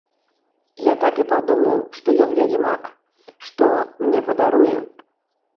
Я так і падумаў, што ён вядзьмак, што не падаруе.